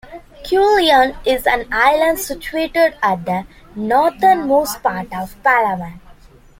Culion is an island situated at the northernmost part of Palawan.